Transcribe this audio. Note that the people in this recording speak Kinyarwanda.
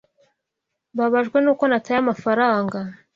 Mbabajwe nuko nataye amafaranga.